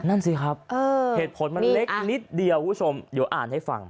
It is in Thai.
นั่นสิครับเหตุผลมันเล็กนิดเดียวคุณผู้ชมเดี๋ยวอ่านให้ฟัง